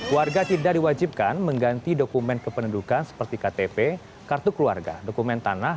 warga tidak diwajibkan mengganti dokumen kependudukan seperti ktp kartu keluarga dokumen tanah